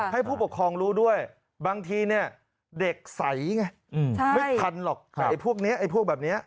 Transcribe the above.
ให้ผู้ปกครองรู้ด้วยบางทีเนี่ยเด็กใสไงไม่ทันหรอกไอ้พวกนี้ไอ้พวกแบบนี้